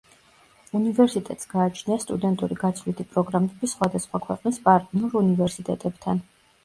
უნივერსიტეტს გააჩნია სტუდენტური გაცვლითი პროგრამები სხვადასხვა ქვეყნის პარტნიორ უნივერსიტეტებთან.